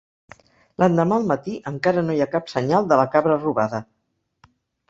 L'endemà al matí encara no hi ha cap senyal de la cabra robada.